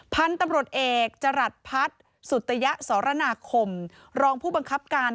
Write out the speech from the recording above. พันธุ์ตำรวจเอกจรัสพัฒน์สุตยสรนาคมรองผู้บังคับการ